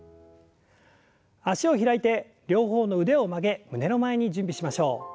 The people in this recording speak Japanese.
脚を開いて両方の腕を曲げ胸の前に準備しましょう。